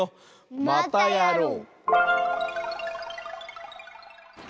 またやろう！